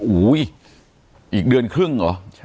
อุ้ยอีกเดือนครึ่งเหรอ